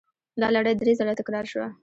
دا لړۍ درې ځله تکرار شوه.